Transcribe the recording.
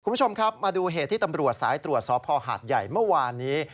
คุณผู้ชมครับมาดูเหตุที่ตำรวจสายตรวจสพหาดใหญ่เมื่อวานนี้